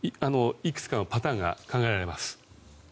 いくつかのパターンが考えられます。